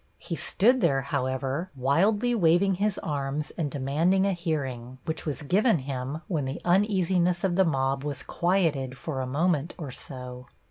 He stood there, however, wildly waving his arms and demanded a hearing, which was given him when the uneasiness of the mob was quieted for a moment or so.